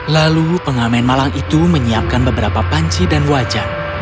lalu pengamen malang itu menyiapkan beberapa panci dan wajan